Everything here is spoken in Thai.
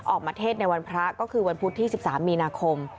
ออกมาเทศในวันพระก็คือวันพุธที่๑๓มีนาคม